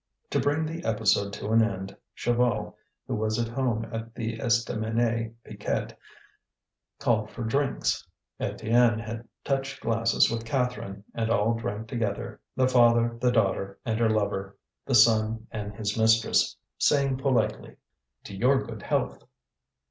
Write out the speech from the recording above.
To bring the episode to an end, Chaval, who was at home at the Estaminet Piquette, called for drinks. Étienne had touched glasses with Catherine, and all drank together the father, the daughter and her lover, the son and his mistress saying politely: "To your good health!"